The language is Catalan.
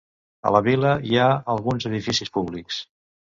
A la vila hi ha alguns edificis públics.